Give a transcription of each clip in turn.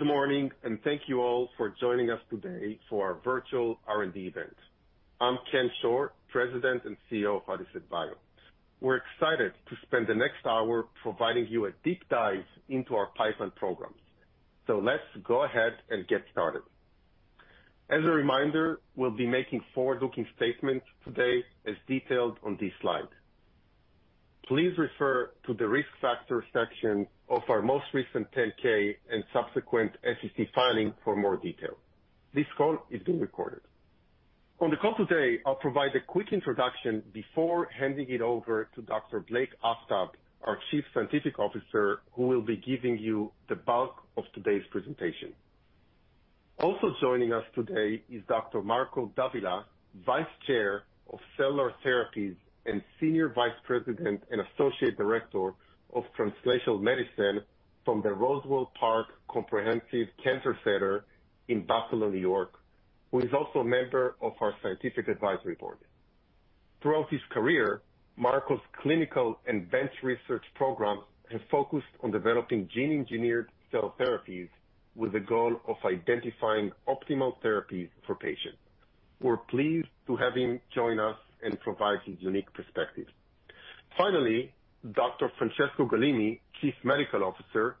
Good morning, and thank you all for joining us today for our virtual R&D event. I'm Chen Schor, President and CEO of Adicet Bio. We're excited to spend the next hour providing you a deep dive into our pipeline programs. Let's go ahead and get started. As a reminder, we'll be making forward-looking statements today as detailed on this slide. Please refer to the Risk Factors section of our most recent 10-K and subsequent SEC filing for more detail. This call is being recorded. On the call today, I'll provide a quick introduction before handing it over to Dr. Blake Aftab, our Chief Scientific Officer, who will be giving you the bulk of today's presentation. Also joining us today is Dr. Marco Davila, Vice Chair of Cellular Therapies and Senior Vice President and Associate Director of Translational Research from the Roswell Park Comprehensive Cancer Center in Buffalo, New York, who is also a member of our Scientific Advisory Board. Throughout his career, Marco's clinical and bench research programs have focused on developing gene-engineered cell therapies with the goal of identifying optimal therapies for patients. We're pleased to have him join us and provide his unique perspective. Finally, Dr. Francesco Galimi, Chief Medical Officer,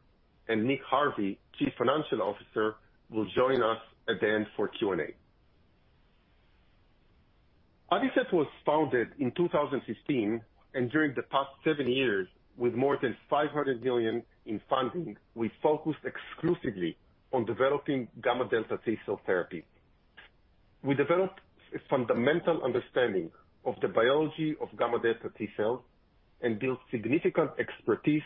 and Nick Harvey, Chief Financial Officer, will join us at the end for Q&A. Adicet Bio was founded in 2016, and during the past seven years, with more than $500 million in funding, we focused exclusively on developing gamma delta T cell therapy. We developed a fundamental understanding of the biology of gamma delta T cells and built significant expertise,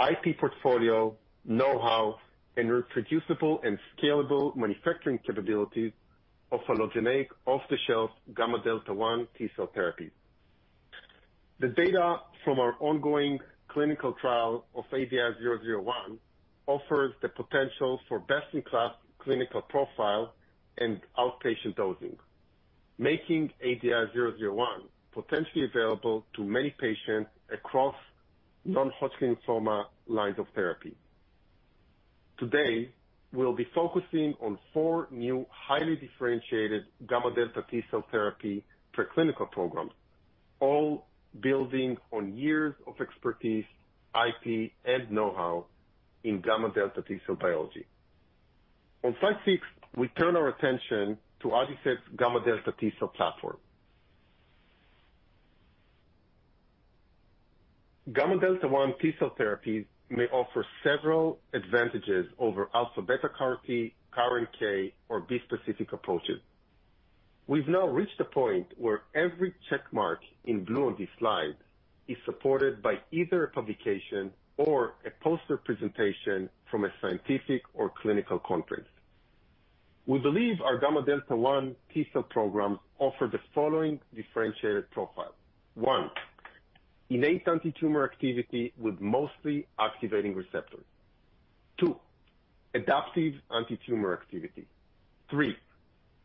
IP portfolio, know-how, and reproducible and scalable manufacturing capabilities of allogeneic off-the-shelf gamma delta 1 T cell therapies. The data from our ongoing clinical trial of ADI-001 offers the potential for best-in-class clinical profile and outpatient dosing, making ADI-001 potentially available to many patients across non-Hodgkin's lymphoma lines of therapy. Today, we'll be focusing on four new highly differentiated gamma delta T cell therapy for clinical programs, all building on years of expertise, IP, and know-how in gamma delta T cell biology. On slide 6, we turn our attention to Adicet Bio's gamma delta T cell platform. Gamma delta 1 T cell therapies may offer several advantages over alpha beta CAR T, CAR NK, or bispecific approaches. We've now reached a point where every check mark in blue on this slide is supported by either a publication or a poster presentation from a scientific or clinical conference. We believe our gamma delta 1 T cell programs offer the following differentiated profile. One, innate antitumor activity with mostly activating receptors. Two, adaptive antitumor activity. Three,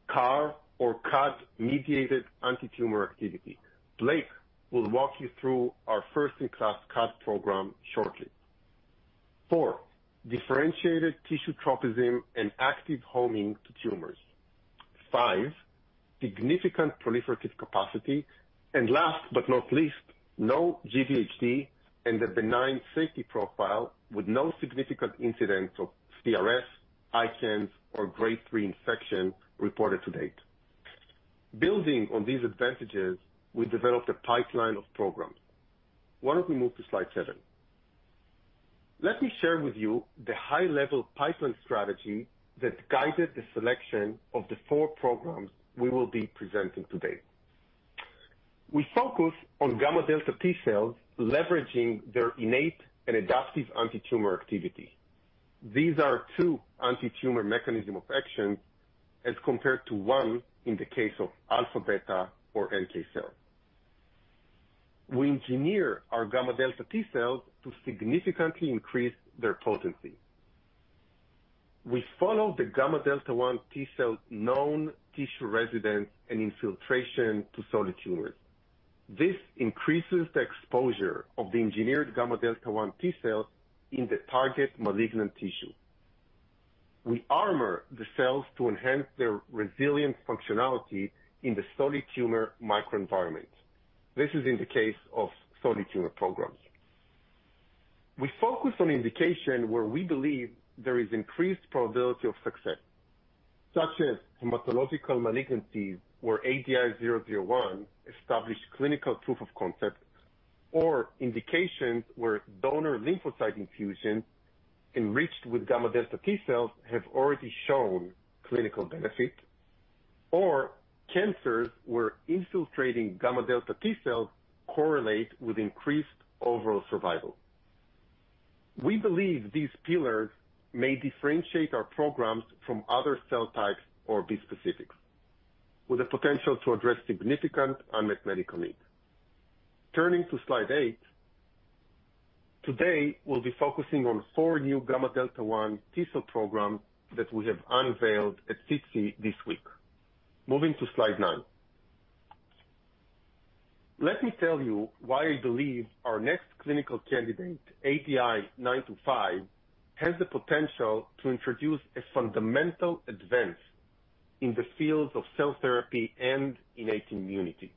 CAR or CAD-mediated antitumor activity. Blake will walk you through our first-in-class CAD program shortly. Four, differentiated tissue tropism and active homing to tumors. Five, significant proliferative capacity. And last but not least, no GvHD and a benign safety profile with no significant incidents of CRS, ICANS, or Grade 3 infection reported to date. Building on these advantages, we developed a pipeline of programs. Why don't we move to slide 7? Let me share with you the high-level pipeline strategy that guided the selection of the 4 programs we will be presenting today. We focus on gamma delta T cells leveraging their innate and adaptive antitumor activity. These are two antitumor mechanism of action as compared to one in the case of alpha beta or NK cell. We engineer our gamma delta T cells to significantly increase their potency. We follow the gamma delta 1 T cell's known tissue residence and infiltration to solid tumors. This increases the exposure of the engineered gamma delta 1 T cells in the target malignant tissue. We armor the cells to enhance their resilient functionality in the solid tumor microenvironment. This is in the case of solid tumor programs. We focus on indication where we believe there is increased probability of success, such as hematological malignancies where ADI-001 established clinical proof of concept, or indications where donor lymphocyte infusion enriched with gamma delta T cells have already shown clinical benefit, or cancers where infiltrating gamma delta T cells correlate with increased overall survival. We believe these pillars may differentiate our programs from other cell types or bispecifics with the potential to address significant unmet medical needs. Turning to slide 8. Today, we'll be focusing on 4 new gamma delta 1 T cell programs that we have unveiled at SITC this week. Moving to slide 9. Let me tell you why I believe our next clinical candidate, ADI-925, has the potential to introduce a fundamental advance in the fields of cell therapy and innate immunity.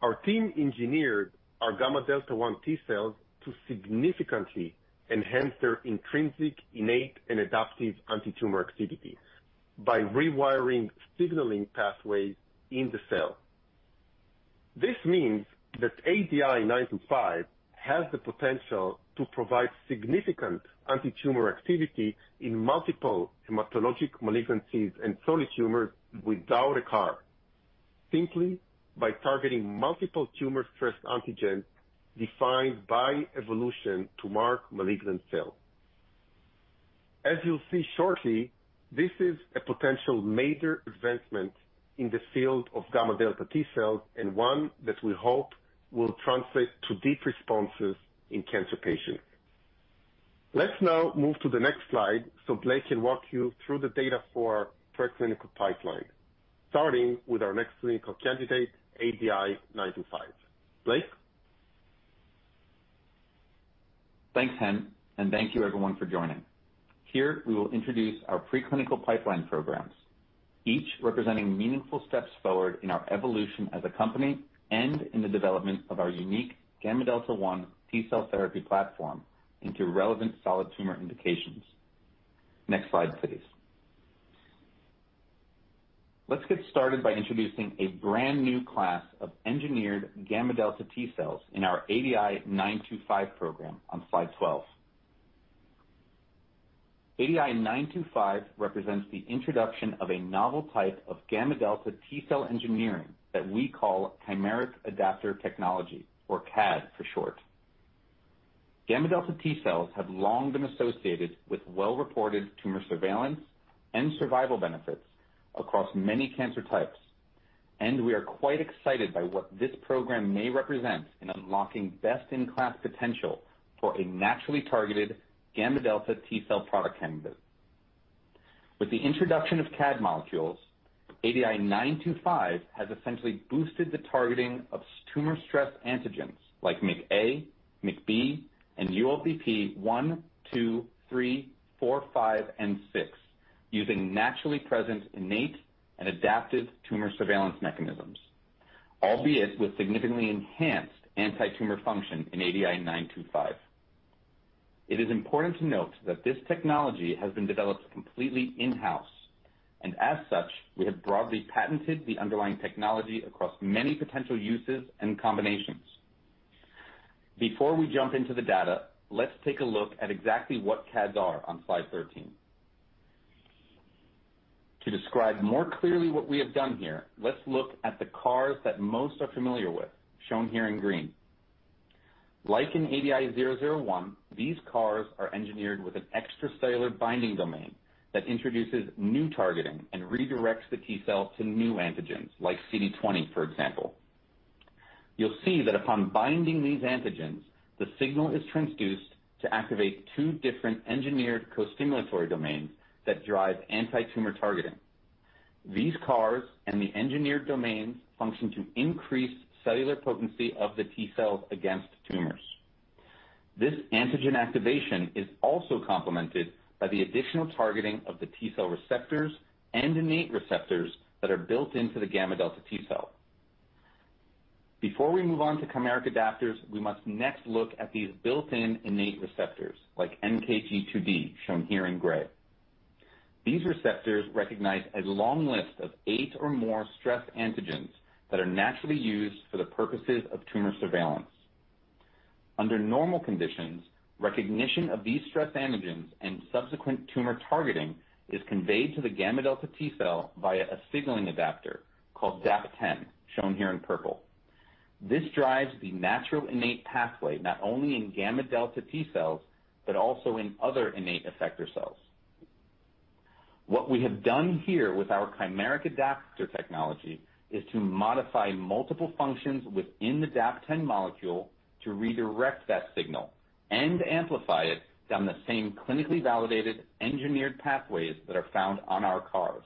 Our team engineered our gamma delta one T cells to significantly enhance their intrinsic, innate, and adaptive antitumor activity by rewiring signaling pathways in the cell. This means that ADI-925 has the potential to provide significant antitumor activity in multiple hematologic malignancies and solid tumors without a CAR, simply by targeting multiple tumor-stressed antigens defined by evolution to mark malignant cells. As you'll see shortly, this is a potential major advancement in the field of gamma delta T cells, and one that we hope will translate to deep responses in cancer patients. Let's now move to the next slide so Blake can walk you through the data for our preclinical pipeline, starting with our next clinical candidate, ADI-925. Blake? Thanks, Chen, and thank you everyone for joining. Here, we will introduce our preclinical pipeline programs, each representing meaningful steps forward in our evolution as a company and in the development of our unique gamma delta 1 T cell therapy platform into relevant solid tumor indications. Next slide, please. Let's get started by introducing a brand-new class of engineered gamma delta T cells in our ADI-925 program on slide 12. ADI-925 represents the introduction of a novel type of gamma delta T cell engineering that we call chimeric adapter technology, or CAd for short. Gamma delta T cells have long been associated with well-reported tumor surveillance and survival benefits across many cancer types, and we are quite excited by what this program may represent in unlocking best-in-class potential for a naturally targeted gamma delta T cell product candidate. With the introduction of CAD molecules, ADI-925 has essentially boosted the targeting of tumor stress antigens like MICA, MICB, and ULBP 1, 2, 3, 4, 5, and 6, using naturally present innate and adaptive tumor surveillance mechanisms, albeit with significantly enhanced antitumor function in ADI-925. It is important to note that this technology has been developed completely in-house, and as such, we have broadly patented the underlying technology across many potential uses and combinations. Before we jump into the data, let's take a look at exactly what CADs are on Slide 13. To describe more clearly what we have done here, let's look at the CARs that most are familiar with, shown here in green. Like in ADI-001, these CARs are engineered with an extracellular binding domain that introduces new targeting and redirects the T cell to new antigens, like CD20, for example. You'll see that upon binding these antigens, the signal is transduced to activate two different engineered costimulatory domains that drive antitumor targeting. These CARs and the engineered domains function to increase cellular potency of the T cells against tumors. This antigen activation is also complemented by the additional targeting of the T cell receptors and innate receptors that are built into the gamma delta T cell. Before we move on to chimeric adapters, we must next look at these built-in innate receptors, like NKG2D, shown here in gray. These receptors recognize a long list of eight or more stress antigens that are naturally used for the purposes of tumor surveillance. Under normal conditions, recognition of these stress antigens and subsequent tumor targeting is conveyed to the gamma delta T cell via a signaling adapter called DAP10, shown here in purple. This drives the natural innate pathway, not only in gamma delta T cells, but also in other innate effector cells. What we have done here with our chimeric adaptor technology is to modify multiple functions within the DAP10 molecule to redirect that signal and amplify it down the same clinically validated engineered pathways that are found on our CARs.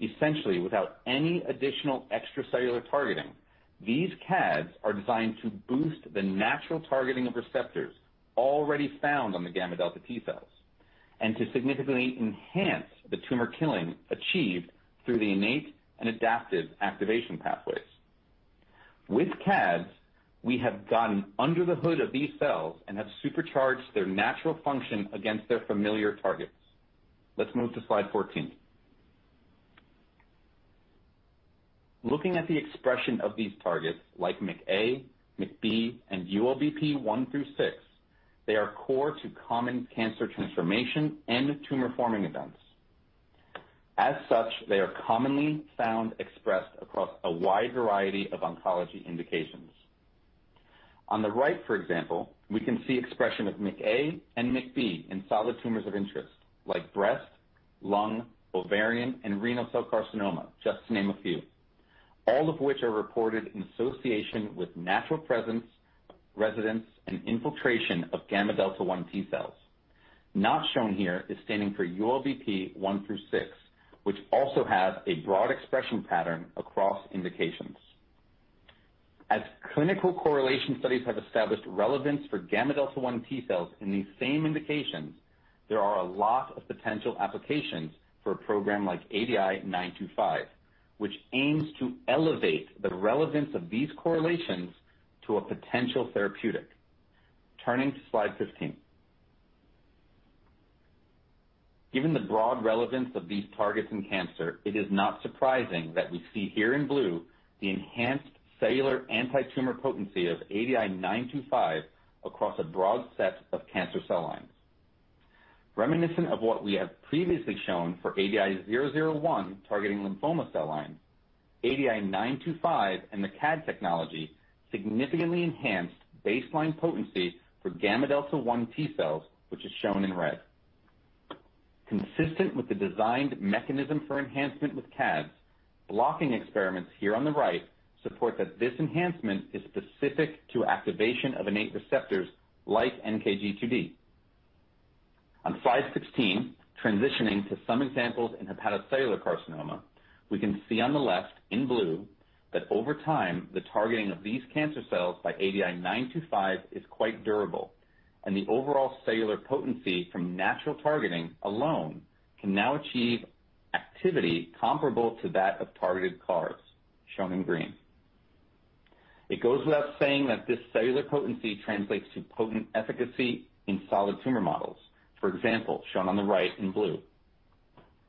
Essentially, without any additional extracellular targeting, these CADs are designed to boost the natural targeting of receptors already found on the gamma delta T cells and to significantly enhance the tumor killing achieved through the innate and adaptive activation pathways. With CADs, we have gotten under the hood of these cells and have supercharged their natural function against their familiar targets. Let's move to slide 14. Looking at the expression of these targets like MICA, MICB, and ULBP 1 through 6, they are core to common cancer transformation and tumor-forming events. As such, they are commonly found expressed across a wide variety of oncology indications. On the right, for example, we can see expression of MICA and MICB in solid tumors of interest like breast, lung, ovarian, and renal cell carcinoma, just to name a few, all of which are reported in association with natural presence, residence, and infiltration of gamma delta 1 T cells. Not shown here is standing for ULBP 1 through 6, which also has a broad expression pattern across indications. As clinical correlation studies have established relevance for gamma delta 1 T cells in these same indications, there are a lot of potential applications for a program like ADI-925, which aims to elevate the relevance of these correlations to a potential therapeutic. Turning to slide 15. Given the broad relevance of these targets in cancer, it is not surprising that we see here in blue the enhanced cellular antitumor potency of ADI-925 across a broad set of cancer cell lines. Reminiscent of what we have previously shown for ADI-001 targeting lymphoma cell lines, ADI-925 and the CAD technology significantly enhanced baseline potency for gamma delta 1 T cells, which is shown in red. Consistent with the designed mechanism for enhancement with CADs, blocking experiments here on the right support that this enhancement is specific to activation of innate receptors like NKG2D. On slide 16, transitioning to some examples in hepatocellular carcinoma, we can see on the left in blue that over time, the targeting of these cancer cells by ADI-925 is quite durable, and the overall cellular potency from natural targeting alone can now achieve activity comparable to that of targeted CARs, shown in green. It goes without saying that this cellular potency translates to potent efficacy in solid tumor models. For example, shown on the right in blue.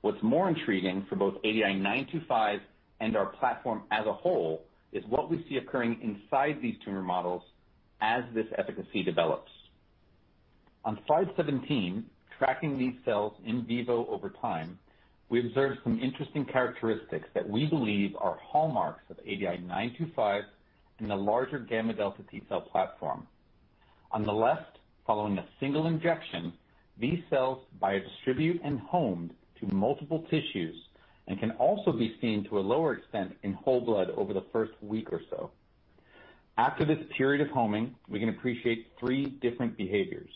What's more intriguing for both ADI-925 and our platform as a whole, is what we see occurring inside these tumor models as this efficacy develops. On slide 17, tracking these cells in vivo over time, we observed some interesting characteristics that we believe are hallmarks of ADI-925 and the larger gamma delta T cell platform. On the left, following a single injection, these cells bio-distribute and home to multiple tissues and can also be seen to a lower extent in whole blood over the first week or so. After this period of homing, we can appreciate three different behaviors.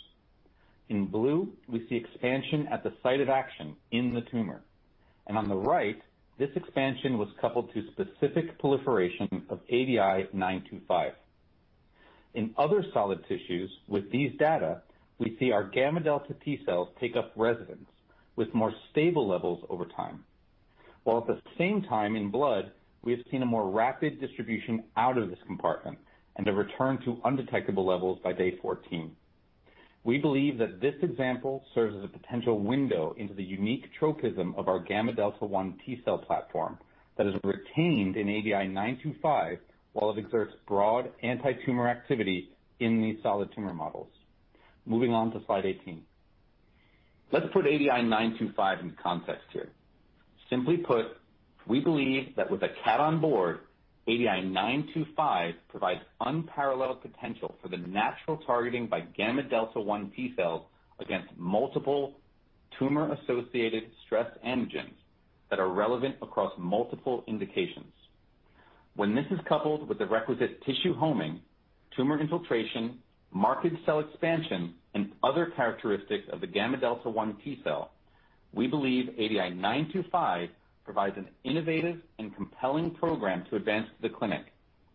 In blue, we see expansion at the site of action in the tumor. On the right, this expansion was coupled to specific proliferation of ADI-925. In other solid tissues with these data, we see our gamma delta T cells take up residence with more stable levels over time. While at the same time in blood, we have seen a more rapid distribution out of this compartment and a return to undetectable levels by day 14. We believe that this example serves as a potential window into the unique tropism of our gamma delta 1 T cell platform that is retained in ADI-925, while it exerts broad antitumor activity in these solid tumor models. Moving on to slide 18. Let's put ADI-925 in context here. Simply put, we believe that with a CAD on board, ADI-925 provides unparalleled potential for the natural targeting by gamma delta 1 T cells against multiple tumor-associated stress antigens that are relevant across multiple indications. When this is coupled with the requisite tissue homing, tumor infiltration, marked cell expansion, and other characteristics of the gamma delta 1 T cell, we believe ADI-925 provides an innovative and compelling program to advance to the clinic,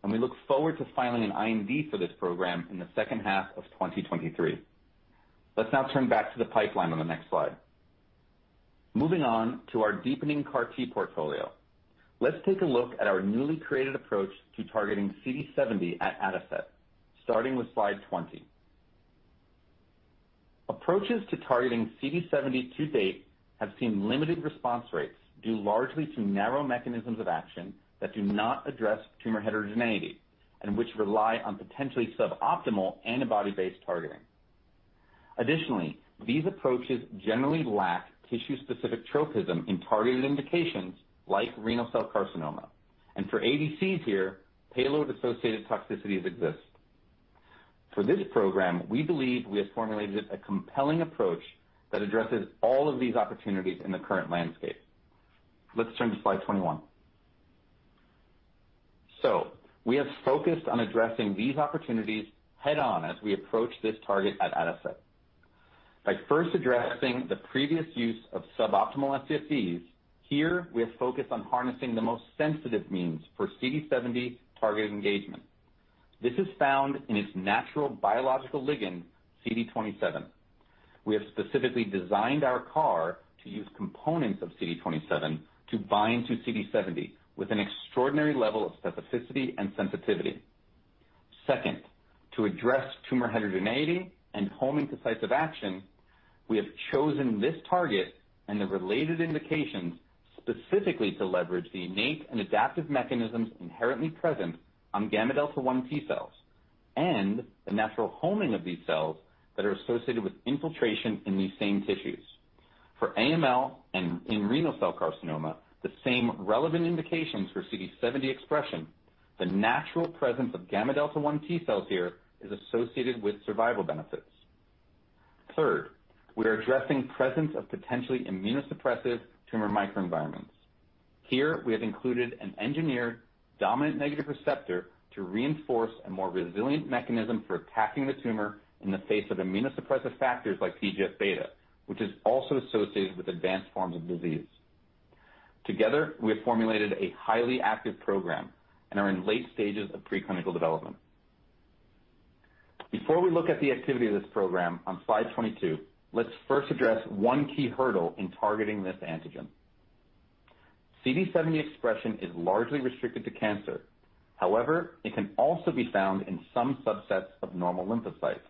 and we look forward to filing an IND for this program in the second half of 2023. Let's now turn back to the pipeline on the next slide. Moving on to our deepening CAR-T portfolio. Let's take a look at our newly created approach to targeting CD70 at Adicet, starting with slide 20. Approaches to targeting CD70 to date have seen limited response rates, due largely to narrow mechanisms of action that do not address tumor heterogeneity and which rely on potentially suboptimal antibody-based targeting. Additionally, these approaches generally lack tissue-specific tropism in targeted indications like renal cell carcinoma. For ADCs here, payload-associated toxicities exist. For this program, we believe we have formulated a compelling approach that addresses all of these opportunities in the current landscape. Let's turn to slide 21. We have focused on addressing these opportunities head on as we approach this target at Adicet. By first addressing the previous use of suboptimal FCs, here we are focused on harnessing the most sensitive means for CD70 targeted engagement. This is found in its natural biological ligand, CD27. We have specifically designed our CAR to use components of CD27 to bind to CD70 with an extraordinary level of specificity and sensitivity. Second, to address tumor heterogeneity and homing to sites of action, we have chosen this target and the related indications specifically to leverage the innate and adaptive mechanisms inherently present on gamma delta 1 T cells, and the natural homing of these cells that are associated with infiltration in these same tissues. For AML and in renal cell carcinoma, the same relevant indications for CD70 expression, the natural presence of gamma delta one T cells here is associated with survival benefits. Third, we are addressing presence of potentially immunosuppressive tumor microenvironments. Here, we have included an engineered dominant negative receptor to reinforce a more resilient mechanism for attacking the tumor in the face of immunosuppressive factors like TGF beta, which is also associated with advanced forms of disease. Together, we have formulated a highly active program and are in late stages of preclinical development. Before we look at the activity of this program on slide 22, let's first address one key hurdle in targeting this antigen. CD70 expression is largely restricted to cancer. However, it can also be found in some subsets of normal lymphocytes.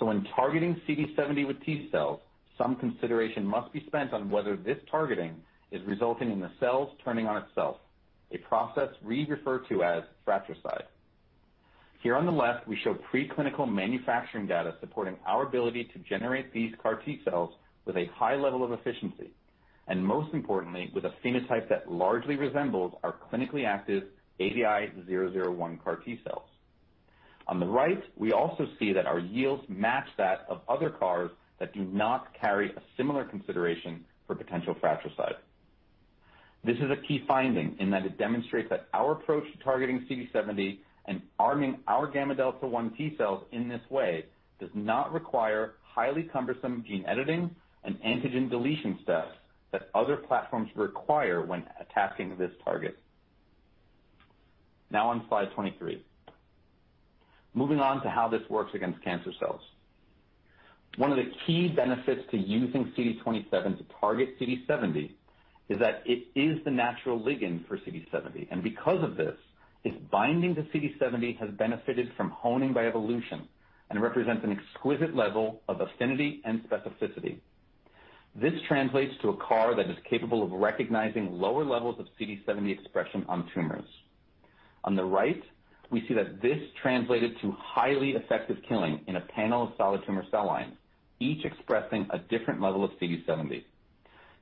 When targeting CD70 with T cells, some consideration must be spent on whether this targeting is resulting in the cells turning on itself, a process we refer to as fratricide. Here on the left, we show preclinical manufacturing data supporting our ability to generate these CAR T cells with a high level of efficiency, and most importantly, with a phenotype that largely resembles our clinically active ADI-001 CAR T cells. On the right, we also see that our yields match that of other CARs that do not carry a similar consideration for potential fratricide. This is a key finding in that it demonstrates that our approach to targeting CD70 and arming our gamma delta 1 T cells in this way does not require highly cumbersome gene editing and antigen deletion steps that other platforms require when attacking this target. Now on slide 23. Moving on to how this works against cancer cells. One of the key benefits to using CD27 to target CD70 is that it is the natural ligand for CD70. Because of this, its binding to CD70 has benefited from honing by evolution and represents an exquisite level of affinity and specificity. This translates to a CAR that is capable of recognizing lower levels of CD70 expression on tumors. On the right, we see that this translated to highly effective killing in a panel of solid tumor cell lines, each expressing a different level of CD70.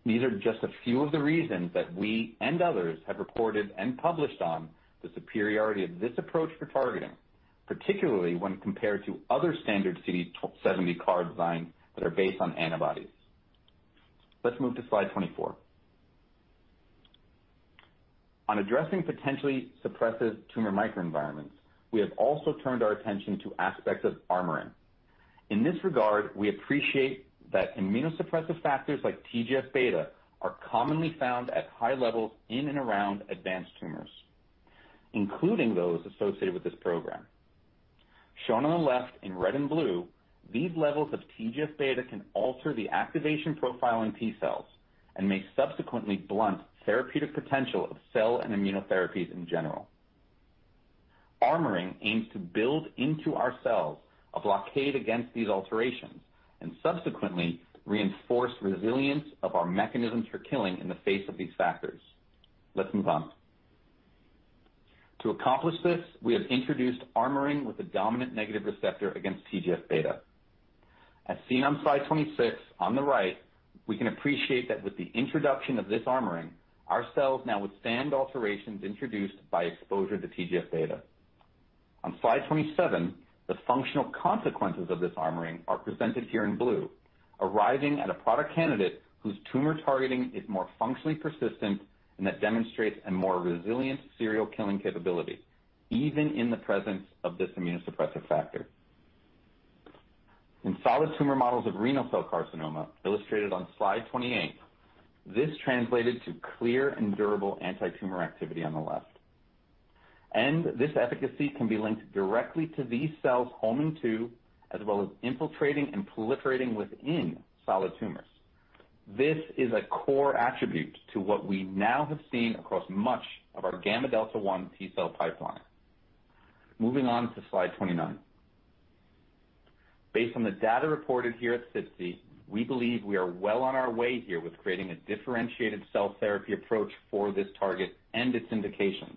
These are just a few of the reasons that we and others have reported and published on the superiority of this approach for targeting, particularly when compared to other standard CD70 CAR designs that are based on antibodies. Let's move to slide 24. On addressing potentially suppressive tumor microenvironments, we have also turned our attention to aspects of armoring. In this regard, we appreciate that immunosuppressive factors like TGF beta are commonly found at high levels in and around advanced tumors, including those associated with this program. Shown on the left in red and blue, these levels of TGF beta can alter the activation profile in T cells and may subsequently blunt therapeutic potential of cell and immunotherapies in general. Armoring aims to build into our cells a blockade against these alterations and subsequently reinforce resilience of our mechanisms for killing in the face of these factors. Let's move on. To accomplish this, we have introduced armoring with a dominant negative receptor against TGF beta. As seen on slide 26 on the right, we can appreciate that with the introduction of this armoring, our cells now withstand alterations introduced by exposure to TGF beta. On slide 27, the functional consequences of this armoring are presented here in blue, arriving at a product candidate whose tumor targeting is more functionally persistent and that demonstrates a more resilient serial killing capability, even in the presence of this immunosuppressive factor. In solid tumor models of renal cell carcinoma illustrated on slide 28, this translated to clear and durable antitumor activity on the left, and this efficacy can be linked directly to these cells homing to as well as infiltrating and proliferating within solid tumors. This is a core attribute to what we now have seen across much of our gamma delta 1 T cell pipeline. Moving on to slide 29. Based on the data reported here at SITC, we believe we are well on our way here with creating a differentiated cell therapy approach for this target and its indications.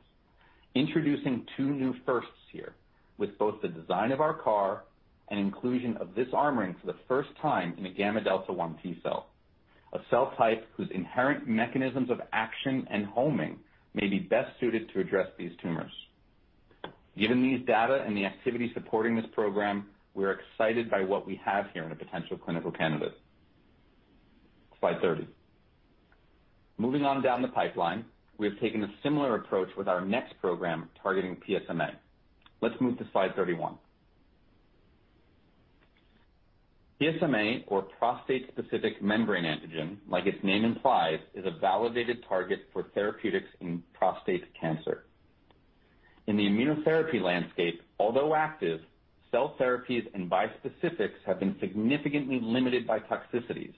Introducing two new firsts here with both the design of our CAR and inclusion of this armoring for the first time in a gamma delta 1 T cell, a cell type whose inherent mechanisms of action and homing may be best suited to address these tumors. Given these data and the activity supporting this program, we're excited by what we have here in a potential clinical candidate. Slide 30. Moving on down the pipeline, we have taken a similar approach with our next program targeting PSMA. Let's move to slide 31. PSMA, or prostate-specific membrane antigen, like its name implies, is a validated target for therapeutics in prostate cancer. In the immunotherapy landscape, although active, cell therapies and bispecifics have been significantly limited by toxicities,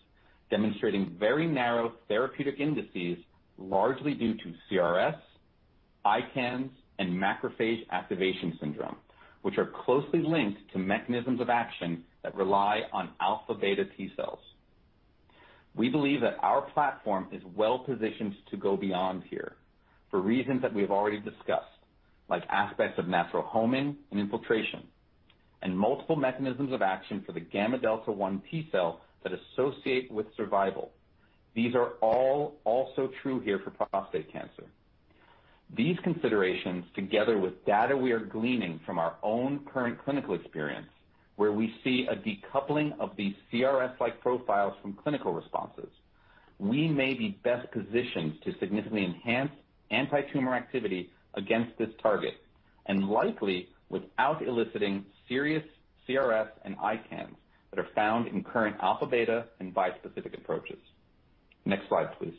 demonstrating very narrow therapeutic indices largely due to CRS, ICANS, and macrophage activation syndrome, which are closely linked to mechanisms of action that rely on alpha beta T cells. We believe that our platform is well positioned to go beyond here for reasons that we have already discussed, like aspects of natural homing and infiltration, and multiple mechanisms of action for the gamma delta 1 T cell that associate with survival. These are all also true here for prostate cancer. These considerations, together with data we are gleaning from our own current clinical experience, where we see a decoupling of these CRS-like profiles from clinical responses. We may be best positioned to significantly enhance antitumor activity against this target, and likely without eliciting serious CRS and ICANS that are found in current alpha beta and bispecific approaches. Next slide, please.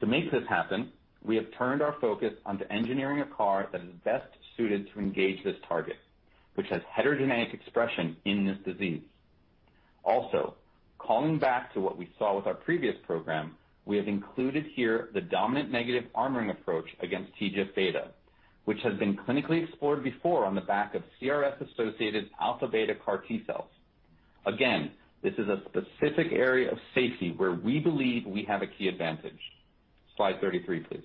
To make this happen, we have turned our focus onto engineering a CAR that is best suited to engage this target, which has heterogeneous expression in this disease. Also, calling back to what we saw with our previous program, we have included here the dominant negative armoring approach against TGF beta, which has been clinically explored before on the back of CRS-associated alpha beta CAR T cells. Again, this is a specific area of safety where we believe we have a key advantage. Slide 33, please.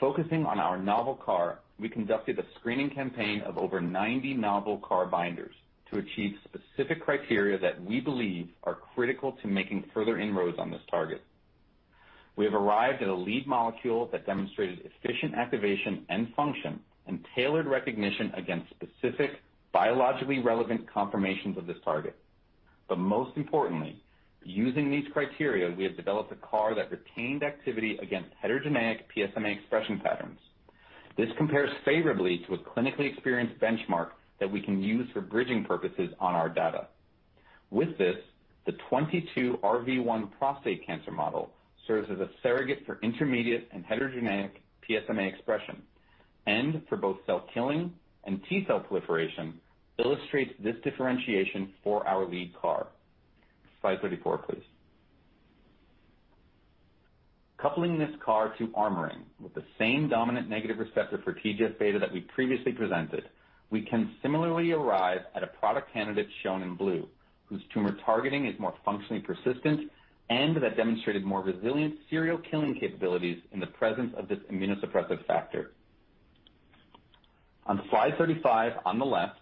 Focusing on our novel CAR, we conducted a screening campaign of over 90 novel CAR binders to achieve specific criteria that we believe are critical to making further inroads on this target. We have arrived at a lead molecule that demonstrated efficient activation and function and tailored recognition against specific biologically relevant conformations of this target. Most importantly, using these criteria, we have developed a CAR that retained activity against heterogenic PSMA expression patterns. This compares favorably to a clinically experienced benchmark that we can use for bridging purposes on our data. With this, the 22Rv1 prostate cancer model serves as a surrogate for intermediate and heterogenic PSMA expression. For both cell killing and T cell proliferation illustrates this differentiation for our lead CAR. Slide 34, please. Coupling this CAR to armoring with the same dominant negative receptor for TGF beta that we previously presented, we can similarly arrive at a product candidate shown in blue, whose tumor targeting is more functionally persistent and that demonstrated more resilient serial killing capabilities in the presence of this immunosuppressive factor. On slide 35 on the left,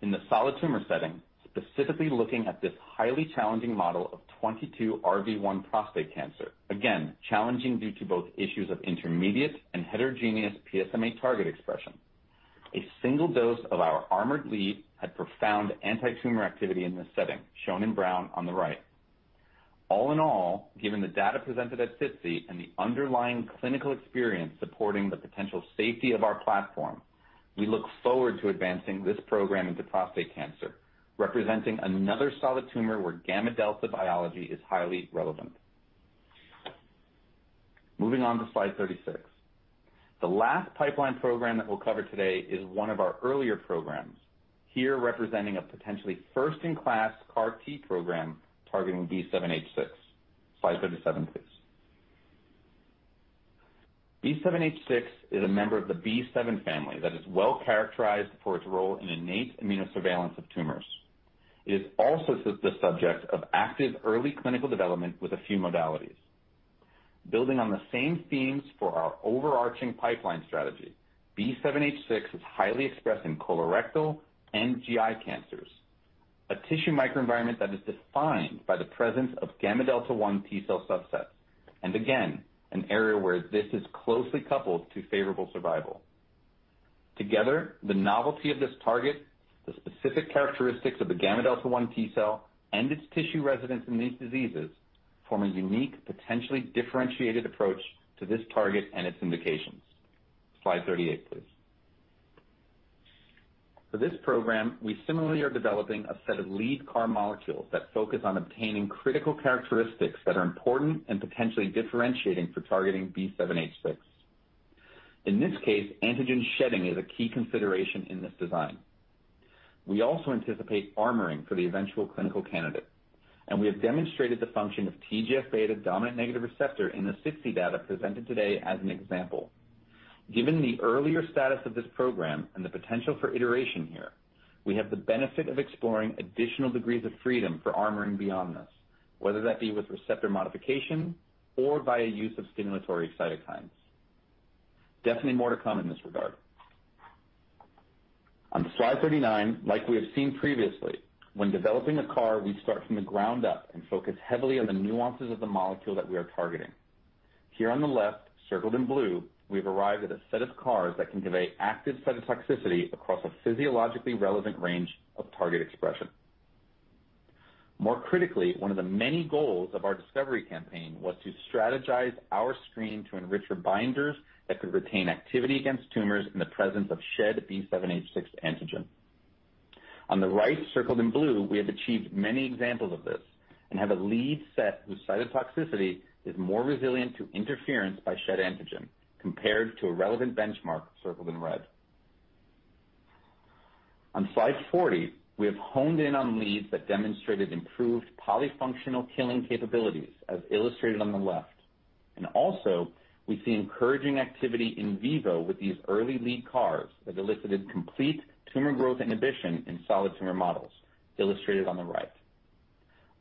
in the solid tumor setting, specifically looking at this highly challenging model of 22RV1 prostate cancer, again challenging due to both issues of intermediate and heterogeneous PSMA target expression, a single dose of our armored lead had profound antitumor activity in this setting, shown in brown on the right. All in all, given the data presented at SITC and the underlying clinical experience supporting the potential safety of our platform, we look forward to advancing this program into prostate cancer, representing another solid tumor where gamma delta biology is highly relevant. Moving on to slide 36. The last pipeline program that we'll cover today is one of our earlier programs, here representing a potentially first-in-class CAR T program targeting B7H6. Slide 37, please. B7H6 is a member of the B7 family that is well-characterized for its role in innate immunosurveillance of tumors. It is also the subject of active early clinical development with a few modalities. Building on the same themes for our overarching pipeline strategy, B7H6 is highly expressed in colorectal and GI cancers, a tissue microenvironment that is defined by the presence of gamma delta 1 T cell subsets, and again, an area where this is closely coupled to favorable survival. Together, the novelty of this target, the specific characteristics of the gamma delta 1 T cell, and its tissue residence in these diseases form a unique, potentially differentiated approach to this target and its indications. Slide 38, please. For this program, we similarly are developing a set of lead CAR molecules that focus on obtaining critical characteristics that are important and potentially differentiating for targeting B7H6. In this case, antigen shedding is a key consideration in this design. We also anticipate armoring for the eventual clinical candidate, and we have demonstrated the function of TGF beta dominant negative receptor in the SITC data presented today as an example. Given the earlier status of this program and the potential for iteration here, we have the benefit of exploring additional degrees of freedom for armoring beyond this, whether that be with receptor modification or via use of stimulatory cytokines. Definitely more to come in this regard. On slide 39, like we have seen previously, when developing a CAR, we start from the ground up and focus heavily on the nuances of the molecule that we are targeting. Here on the left, circled in blue, we've arrived at a set of CARs that can convey active cytotoxicity across a physiologically relevant range of target expression. More critically, one of the many goals of our discovery campaign was to strategize our screen to enrich for binders that could retain activity against tumors in the presence of shed B7H6 antigen. On the right, circled in blue, we have achieved many examples of this and have a lead set whose cytotoxicity is more resilient to interference by shed antigen compared to a relevant benchmark, circled in red. On slide 40, we have honed in on leads that demonstrated improved polyfunctional killing capabilities, as illustrated on the left. We see encouraging activity in vivo with these early lead CARs that elicited complete tumor growth inhibition in solid tumor models, illustrated on the right.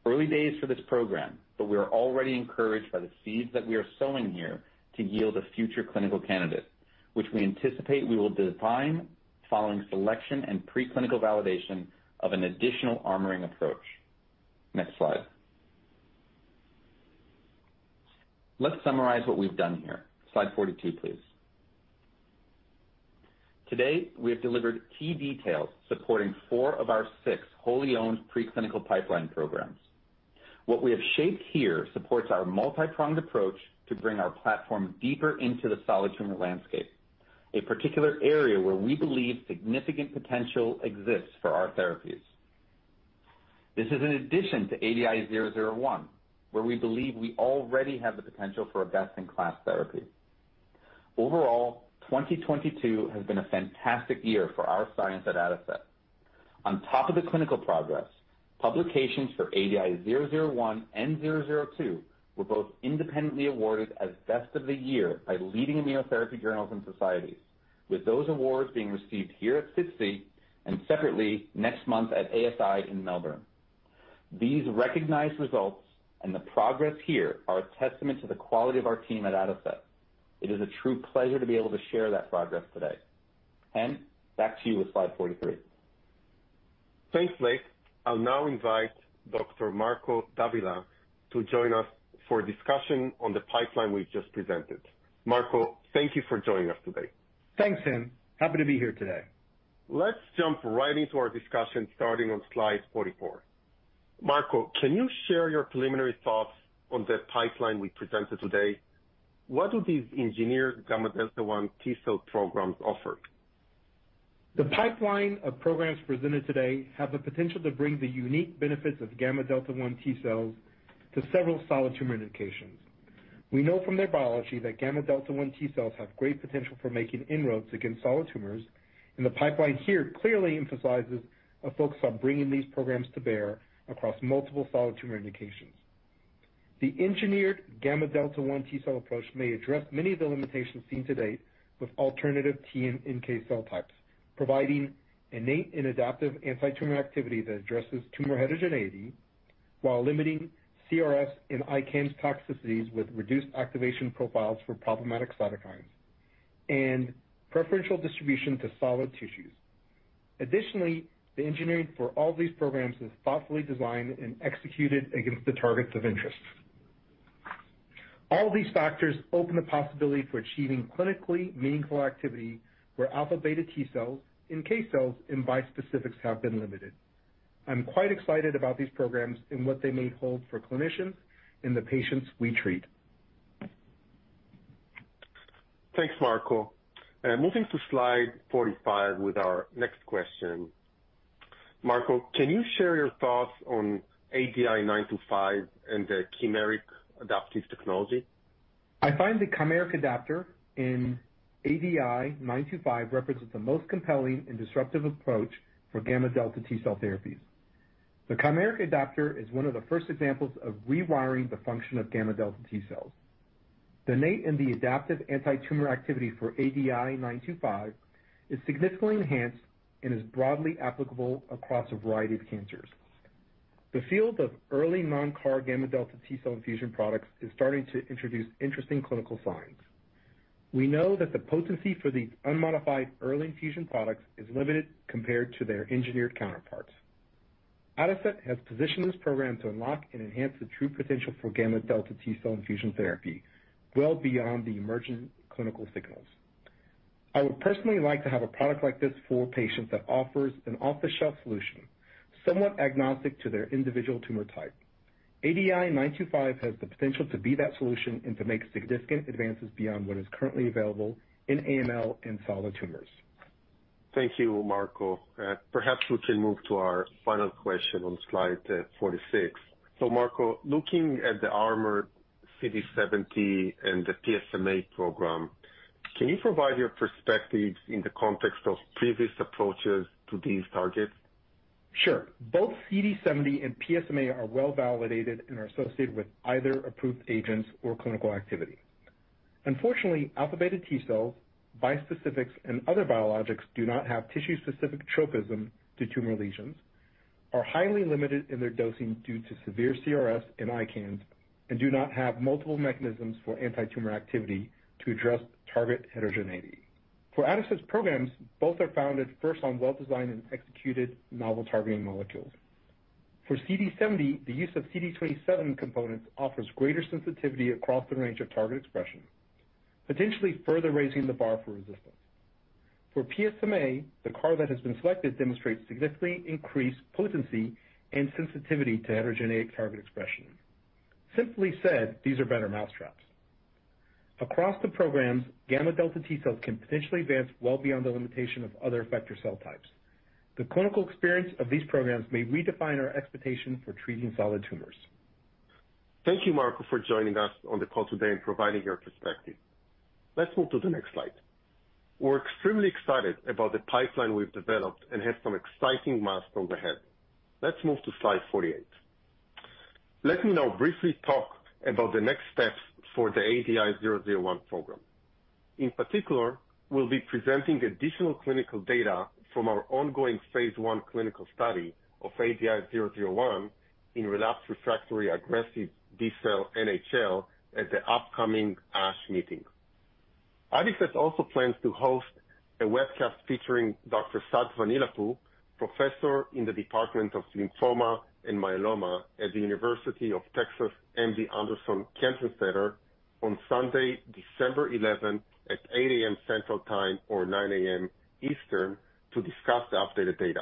Early days for this program, but we are already encouraged by the seeds that we are sowing here to yield a future clinical candidate, which we anticipate we will define following selection and preclinical validation of an additional armoring approach. Next slide. Let's summarize what we've done here. Slide 42, please. Today, we have delivered key details supporting four of our six wholly owned preclinical pipeline programs. What we have shaped here supports our multi-pronged approach to bring our platform deeper into the solid tumor landscape, a particular area where we believe significant potential exists for our therapies. This is in addition to ADI-001, where we believe we already have the potential for a best-in-class therapy. Overall, 2022 has been a fantastic year for our science at Adicet. On top of the clinical progress, publications for ADI-001 and ADI-002 were both independently awarded as Best of the Year by leading immunotherapy journals and societies, with those awards being received here at SITC and separately next month at ASI in Melbourne. These recognized results and the progress here are a testament to the quality of our team at Adicet. It is a true pleasure to be able to share that progress today. Chen, back to you with slide 43. Thanks, Blake. I'll now invite Dr. Marco Davila to join us for a discussion on the pipeline we've just presented. Marco, thank you for joining us today. Thanks, Chen. Happy to be here today. Let's jump right into our discussion, starting on slide 44. Marco, can you share your preliminary thoughts on the pipeline we presented today? What do these engineered gamma delta 1 T cell programs offer? The pipeline of programs presented today have the potential to bring the unique benefits of gamma delta 1 T cells to several solid tumor indications. We know from their biology that gamma delta 1 T cells have great potential for making inroads against solid tumors, and the pipeline here clearly emphasizes a focus on bringing these programs to bear across multiple solid tumor indications. The engineered gamma delta 1 T cell approach may address many of the limitations seen to date with alternative T and NK cell types, providing innate and adaptive anti-tumor activity that addresses tumor heterogeneity while limiting CRS and ICANS toxicities with reduced activation profiles for problematic cytokines and preferential distribution to solid tissues. Additionally, the engineering for all these programs is thoughtfully designed and executed against the targets of interest. All these factors open the possibility for achieving clinically meaningful activity where alpha-beta T cells, NK cells, and bispecifics have been limited. I'm quite excited about these programs and what they may hold for clinicians and the patients we treat. Thanks, Marco. Moving to slide 45 with our next question. Marco, can you share your thoughts on ADI-925 and the chimeric adaptor technology? I find the chimeric adapter in ADI-925 represents the most compelling and disruptive approach for gamma delta T cell therapies. The chimeric adapter is one of the first examples of rewiring the function of gamma delta T cells. The innate and the adaptive anti-tumor activity for ADI-925 is significantly enhanced and is broadly applicable across a variety of cancers. The field of early non-CAR gamma delta T cell infusion products is starting to introduce interesting clinical signs. We know that the potency for these unmodified early infusion products is limited compared to their engineered counterparts. Adicet has positioned this program to unlock and enhance the true potential for gamma delta T cell infusion therapy well beyond the emerging clinical signals. I would personally like to have a product like this for patients that offers an off-the-shelf solution, somewhat agnostic to their individual tumor type. ADI-925 has the potential to be that solution and to make significant advances beyond what is currently available in AML and solid tumors. Thank you, Marco. Perhaps we can move to our final question on slide 46. Marco, looking at the ARMOR CD70 and the PSMA program, can you provide your perspectives in the context of previous approaches to these targets? Sure. Both CD70 and PSMA are well-validated and are associated with either approved agents or clinical activity. Unfortunately, alpha beta T cells, bispecifics, and other biologics do not have tissue-specific tropism to tumor lesions, are highly limited in their dosing due to severe CRS and ICANS, and do not have multiple mechanisms for anti-tumor activity to address target heterogeneity. For Adicet’s programs, both are founded first on well-designed and executed novel targeting molecules. For CD70, the use of CD27 components offers greater sensitivity across the range of target expression, potentially further raising the bar for resistance. For PSMA, the CAR that has been selected demonstrates significantly increased potency and sensitivity to heterogeneous target expression. Simply said, these are better mousetraps. Across the programs, gamma delta T cells can potentially advance well beyond the limitation of other effector cell types. The clinical experience of these programs may redefine our expectation for treating solid tumors. Thank you, Marco, for joining us on the call today and providing your perspective. Let's move to the next slide. We're extremely excited about the pipeline we've developed and have some exciting milestones ahead. Let's move to slide 48. Let me now briefly talk about the next steps for the ADI-001 program. In particular, we'll be presenting additional clinical data from our ongoing phase I clinical study of ADI-001 in relapsed refractory aggressive B cell NHL at the upcoming ASH meeting. Adicet also plans to host a webcast featuring Dr. Sattva Neelapu, professor in the Department of Lymphoma and Myeloma at the University of Texas MD Anderson Cancer Center, on Sunday, December eleventh, at 8 A.M. Central Time or 9 A.M. Eastern, to discuss the updated data.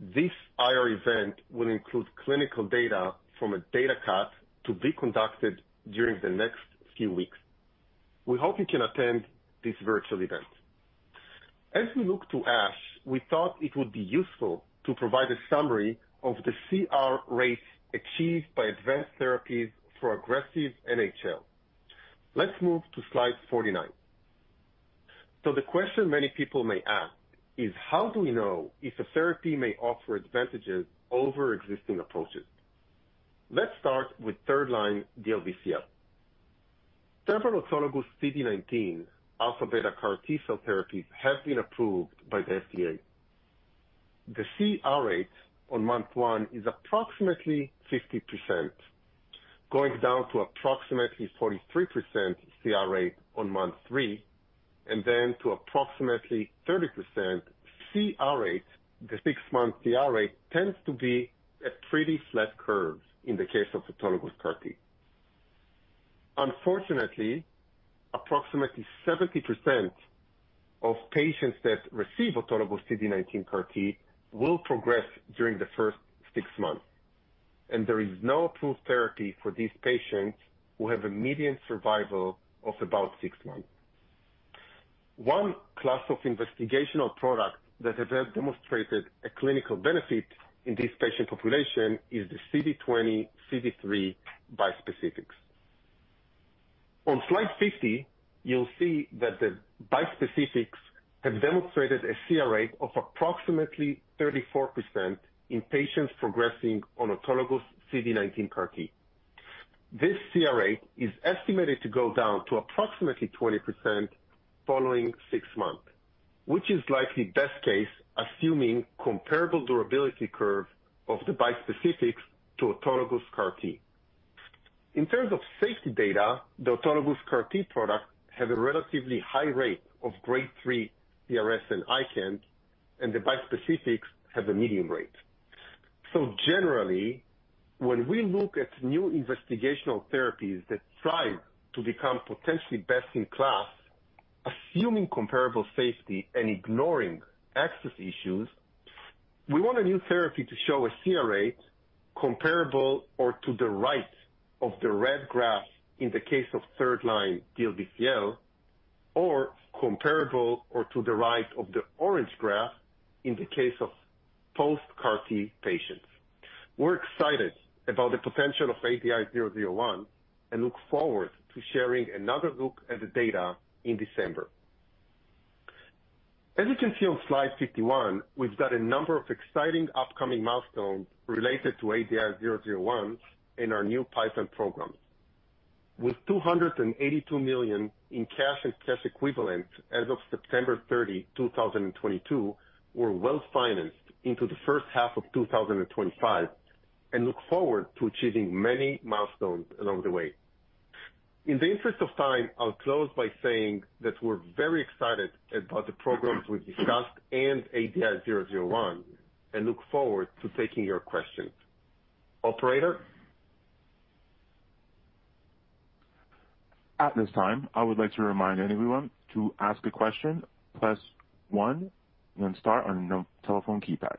This IR event will include clinical data from a data cut to be conducted during the next few weeks. We hope you can attend this virtual event. As we look to ASH, we thought it would be useful to provide a summary of the CR rates achieved by advanced therapies for aggressive NHL. Let's move to slide 49. The question many people may ask is, how do we know if a therapy may offer advantages over existing approaches? Let's start with third-line DLBCL. Several autologous CD19 alpha beta CAR T cell therapies have been approved by the FDA. The CR rate on month one is approximately 60%, going down to approximately 43% CR rate on month three, and then to approximately 30% CR rate. The six-month CR rate tends to be a pretty flat curve in the case of autologous CAR T. Unfortunately, approximately 70% of patients that receive autologous CD19 CAR T will progress during the first six months, and there is no approved therapy for these patients who have a median survival of about six months. One class of investigational products that have demonstrated a clinical benefit in this patient population is the CD20, CD3 bispecifics. On slide SITC, you'll see that the bispecifics have demonstrated a CR rate of approximately 34% in patients progressing on autologous CD19 CAR T. This CR rate is estimated to go down to approximately 20% following six months, which is likely best case, assuming comparable durability curve of the bispecifics to autologous CAR T. In terms of safety data, the autologous CAR T product has a relatively high rate of grade 3 CRS and ICANS, and the bispecifics have a medium rate. generally, when we look at new investigational therapies that strive to become potentially best in class, assuming comparable safety and ignoring access issues, we want a new therapy to show a CR rate comparable or to the right of the red graph in the case of third line DLBCL, or comparable or to the right of the orange graph in the case of post-CAR T patients. We're excited about the potential of ADI-001 and look forward to sharing another look at the data in December. As you can see on slide SITC-1, we've got a number of exciting upcoming milestones related to ADI-001 in our new pipeline programs. With $282 million in cash and cash equivalents as of September 30, 2022, we're well-financed into the first half of 2025 and look forward to achieving many milestones along the way. In the interest of time, I'll close by saying that we're very excited about the programs we discussed and ADI-001 and look forward to taking your questions. Operator? At this time, I would like to remind everyone to ask a question, press one then star on your telephone keypad.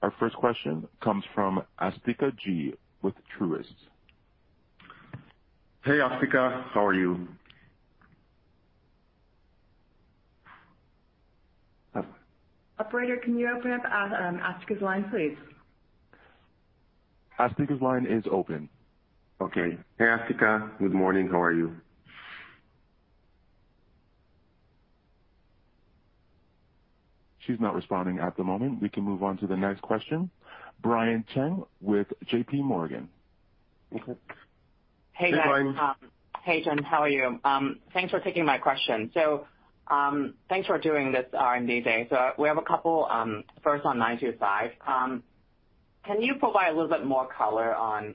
Our first question comes from Asthika Goonewardene with Truist. Hey, Asthika. How are you? Uh- Operator, can you open up Asthika's line, please? Asthika's line is open. Okay. Hey, Asthika. Good morning. How are you? She's not responding at the moment. We can move on to the next question. Brian Cheng with JPMorgan. Okay. Hey, guys. Hey, Brian. Hey, Chen, how are you? Thanks for taking my question. Thanks for doing this R&D day. We have a couple, first on 925. Can you provide a little bit more color on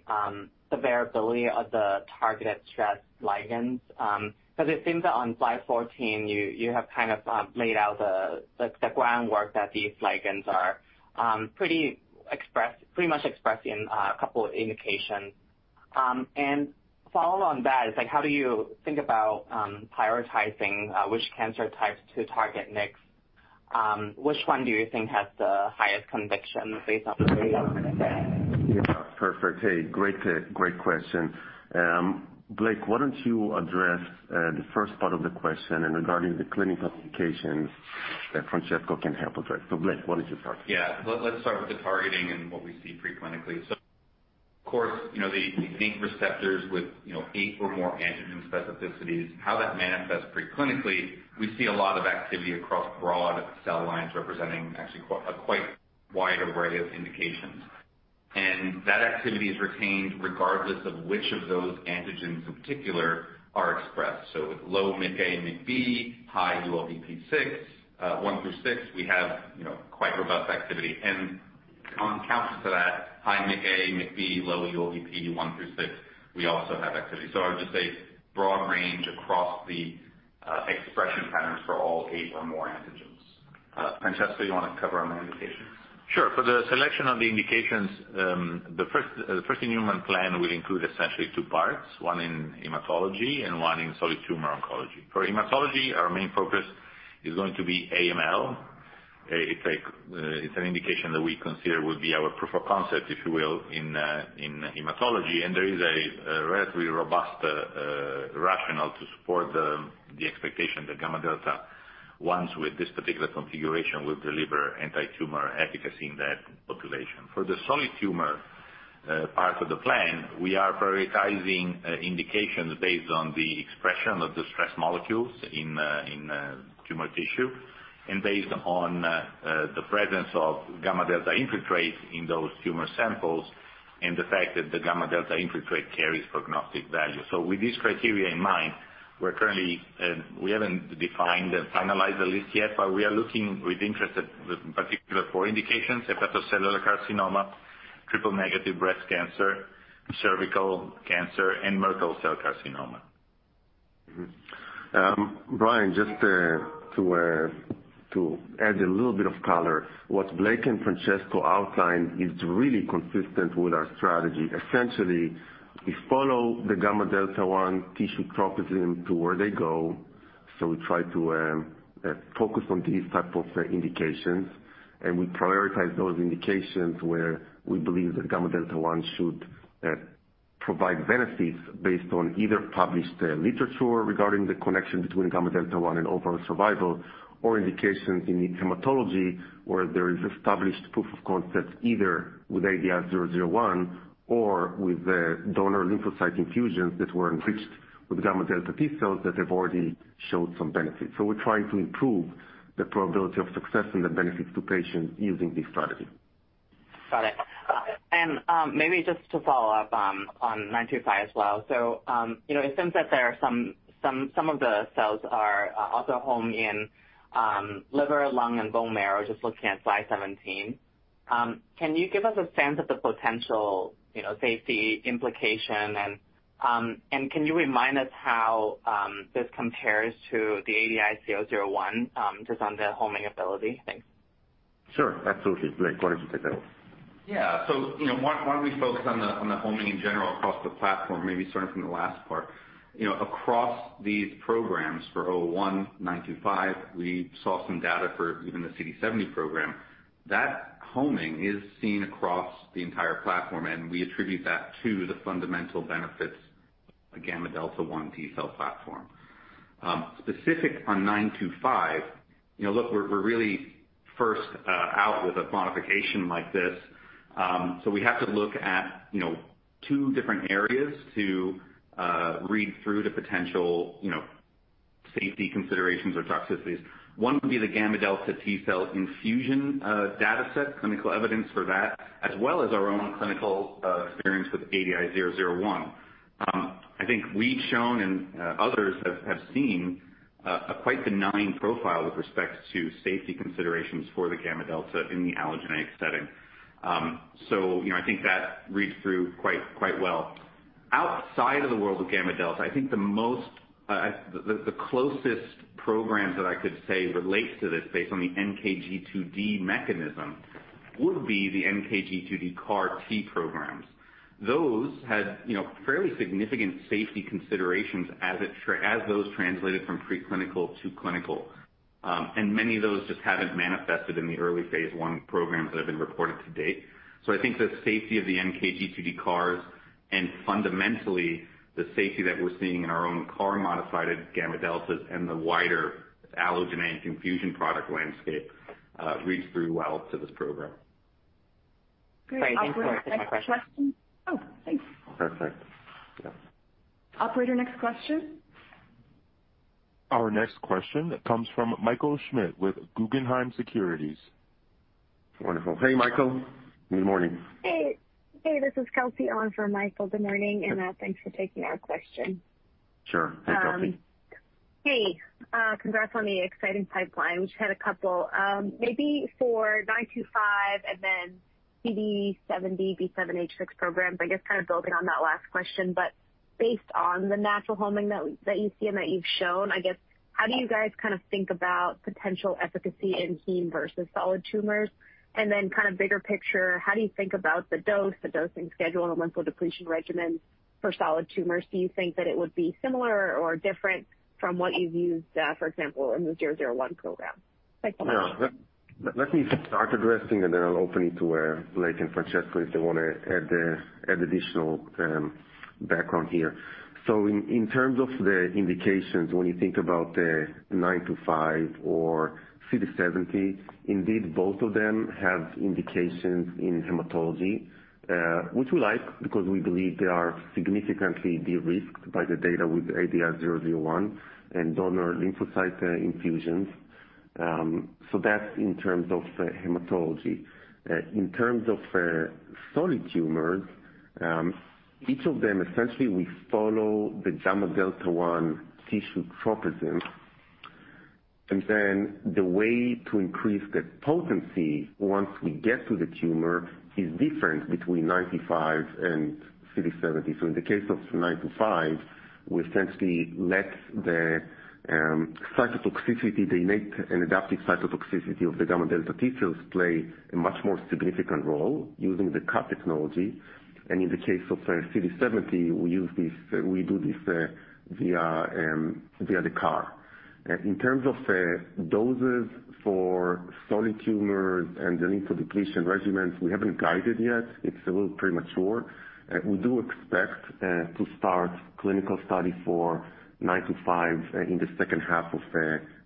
the variability of the targeted stress ligands? 'Cause it seems that on slide 14, you have kind of laid out the groundwork that these ligands are pretty much expressed in a couple of indications. Follow on that is, how do you think about prioritizing which cancer types to target next? Which one do you think has the highest conviction based on the data from today? Yeah. Perfect. Hey, great question. Blake, why don't you address the first part of the question and regarding the clinical applications that Francesco can help address. Blake, why don't you start? Yeah. Let's start with the targeting and what we see pre-clinically. Of course, you know, the zinc finger receptors with, you know, eight or more antigen specificities, how that manifests pre-clinically, we see a lot of activity across broad cell lines representing actually a quite wide array of indications. That activity is retained regardless of which of those antigens in particular are expressed. With low MICA and MICB, high ULBP 6, 1 through 6, we have, you know, quite robust activity. On counter to that, high MICA, MICB, low ULBP 1 through 6, we also have activity. I would just say broad range across the, expression patterns for all eight or more antigens. Francesco, you wanna cover on the indications? Sure. For the selection of the indications, the first-in-human plan will include essentially two parts, one in hematology and one in solid tumor oncology. For hematology, our main focus is going to be AML. It's an indication that we consider will be our proof of concept, if you will, in hematology. There is a relatively robust rationale to support the expectation the gamma delta ones with this particular configuration will deliver antitumor efficacy in that population. For the solid tumor part of the plan, we are prioritizing indications based on the expression of the stress molecules in tumor tissue, and based on the presence of gamma delta infiltrates in those tumor samples and the fact that the gamma delta infiltrate carries prognostic value. With this criteria in mind, we're currently we haven't defined and finalized the list yet, but we are looking with interest at particular four indications, hepatocellular carcinoma, triple-negative breast cancer, cervical cancer, and Merkel cell carcinoma. Mm-hmm. Brian, just to add a little bit of color, what Blake and Francesco outlined is really consistent with our strategy. Essentially, we follow the gamma delta-one tissue tropism to where they go. We try to focus on these type of indications, and we prioritize those indications where we believe that gamma delta-one should provide benefits based on either published literature regarding the connection between gamma delta-one and overall survival or indications in hematology, where there is established proof of concept either with ADI-001 or with the donor lymphocyte infusions that were enriched with gamma delta T cells that have already showed some benefit. We're trying to improve the probability of success and the benefits to patients using this strategy. Got it. Maybe just to follow up on 925 as well. You know, it seems that there are some of the cells also homing in liver, lung, and bone marrow, just looking at slide 17. Can you give us a sense of the potential safety implication? Can you remind us how this compares to the ADI-001 just on the homing ability? Thanks. Sure. Absolutely. Blake, why don't you take that one? Yeah. You know, why don't we focus on the homing in general across the platform, maybe starting from the last part. You know, across these programs for ADI-001, ADI-925, we saw some data for even the CD70 program. That homing is seen across the entire platform, and we attribute that to the fundamental benefits of gamma delta 1 T cell platform. Specific on ADI-925, you know, look, we're really first out with a modification like this, so we have to look at two different areas to read through the potential safety considerations or toxicities. One would be the gamma delta T cell infusion dataset, clinical evidence for that, as well as our own clinical experience with ADI-001. I think we've shown and others have seen a quite benign profile with respect to safety considerations for the gamma delta in the allogeneic setting. You know, I think that reads through quite well. Outside of the world of gamma delta, I think the closest programs that I could say relates to this based on the NKG2D mechanism would be the NKG2D CAR T programs. Those had, you know, fairly significant safety considerations as those translated from preclinical to clinical. Many of those just haven't manifested in the early phase 1 programs that have been reported to date. I think the safety of the NKG2D CARs and fundamentally the safety that we're seeing in our own CAR modified gamma deltas and the wider allogeneic infusion product landscape reads through well to this program. Great. Thanks so much. Operator, next question. Oh, thanks. Perfect. Yeah. Operator, next question. Our next question comes from Michael Schmidt with Guggenheim Securities. Wonderful. Hey, Michael. Good morning. Hey. Hey, this is Kelsey on for Michael. Good morning, and thanks for taking our question. Sure. Hey, Kelsey. Hey, congrats on the exciting pipeline. We just had a couple. Maybe for 925 and then CD70, B7H6 programs, I guess kind of building on that last question, but based on the natural homing that you see and that you've shown, I guess how do you guys kind of think about potential efficacy in heme versus solid tumors? And then kind of bigger picture, how do you think about the dose, the dosing schedule, and lymphodepletion regimens for solid tumors? Do you think that it would be similar or different from what you've used, for example, in the 001 program? Thanks so much. Yeah. Let me start addressing, and then I'll open it to Blake and Francesco if they wanna add additional background here. In terms of the indications, when you think about nine-two-five or CD70, indeed both of them have indications in hematology, which we like because we believe they are significantly de-risked by the data with ADI-001 and donor lymphocyte infusions. That's in terms of hematology. In terms of solid tumors, each of them essentially we follow the gamma delta-1 tissue tropism. Then the way to increase the potency once we get to the tumor is different between nine-two-five and CD70. In the case of nine-two-five, we essentially let the cytotoxicity, the innate and adaptive cytotoxicity of the gamma delta T cells play a much more significant role using the CAR technology. In the case of CD70, we use this via the CAR. In terms of doses for solid tumors and the lymphodepletion regimens, we haven't guided yet. It's a little premature. We do expect to start clinical study for ADI-925 in the second half of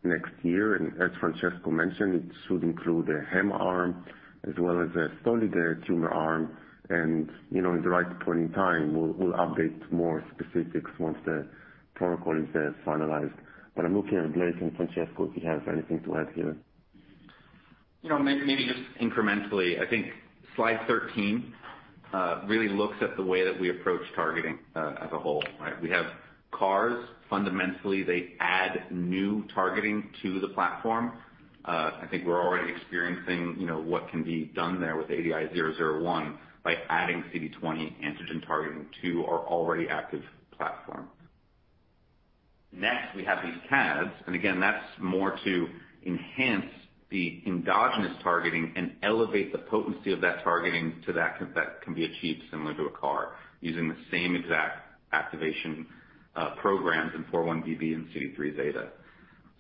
next year. As Francesco mentioned, it should include a hemo arm as well as a solid tumor arm. You know, at the right point in time, we'll update more specifics once the protocol is finalized. I'm looking at Blake and Francesco, if you have anything to add here. You know, maybe just incrementally, I think slide 13 really looks at the way that we approach targeting as a whole, right? We have CARs, fundamentally, they add new targeting to the platform. I think we're already experiencing, you know, what can be done there with ADI-001 by adding CD20 antigen targeting to our already active platform. Next, we have these CADs, and again that's more to enhance the endogenous targeting and elevate the potency of that targeting to that that can be achieved similar to a CAR using the same exact activation programs in 4-1BB and CD3 zeta.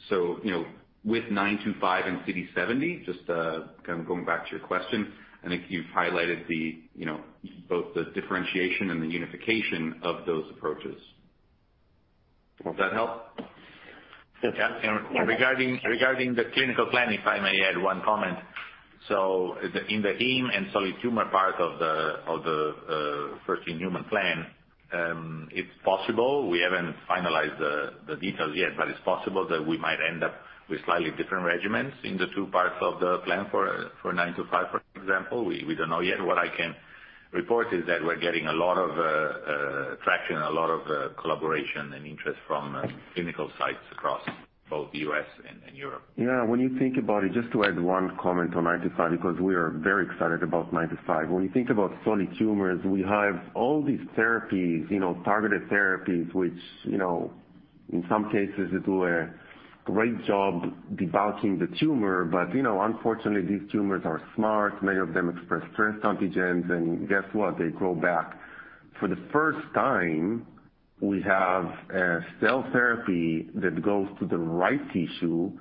You know, with 925 and CD70, just to kind of going back to your question, I think you've highlighted the, you know, both the differentiation and the unification of those approaches. Does that help? Yeah. Yeah. Regarding the clinical plan, if I may add one comment. In the heme and solid tumor part of the first in human plan, it's possible we haven't finalized the details yet, but it's possible that we might end up with slightly different regimens in the two parts of the plan for 925, for example. We don't know yet. What I can report is that we're getting a lot of traction, a lot of collaboration and interest from clinical sites across both U.S. and Europe. Yeah, when you think about it, just to add one comment on 925, because we are very excited about 925. When you think about solid tumors, we have all these therapies, you know, targeted therapies, which, you know, in some cases they do a great job debulking the tumor. You know, unfortunately these tumors are smart. Many of them express stress antigens and guess what? They grow back. For the first time, we have a cell therapy that goes to the right tissue,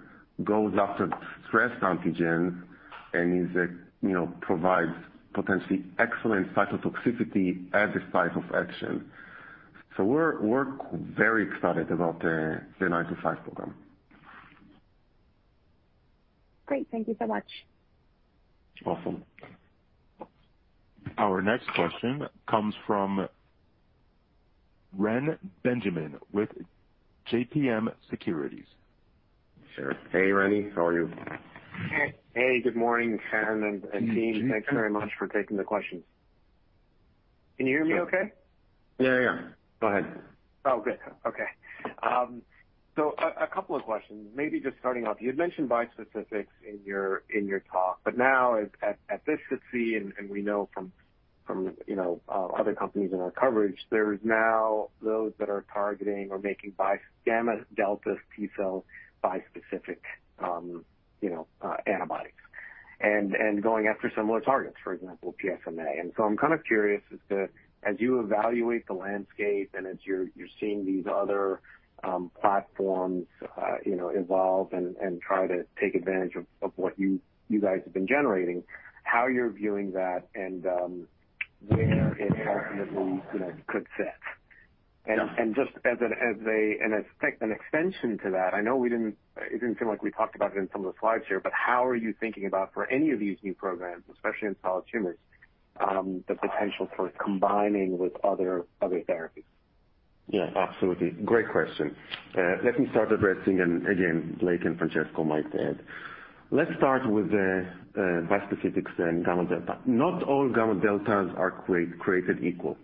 goes after stress antigen, and, you know, provides potentially excellent cytotoxicity at the site of action. We're very excited about the ADI-925 program. Great. Thank you so much. Awesome. Our next question comes from Ren Benjamin with JMP Securities. Sure. Hey, Reni, how are you? Hey. Hey, good morning, Chen Schor and team. Hey, Ren. Thanks very much for taking the questions. Can you hear me okay? Yeah, yeah. Go ahead. Oh, good. Okay. A couple of questions. Maybe just starting off, you had mentioned bispecifics in your talk. Now at this society and we know from other companies in our coverage, there is now those that are targeting or making bispecific gamma delta T cells bispecific antibodies and going after similar targets, for example, PSMA. I'm kind of curious is that as you evaluate the landscape and as you're seeing these other platforms evolve and try to take advantage of what you guys have been generating, how you're viewing that and where it ultimately could fit. Yeah. Just as an extension to that, I know it didn't seem like we talked about it in some of the slides here, but how are you thinking about for any of these new programs, especially in solid tumors, the potential for combining with other therapies? Yeah, absolutely. Great question. Let me start addressing and again, Blake and Francesco might add. Let's start with the bispecifics and gamma delta. Not all gamma deltas are created equal.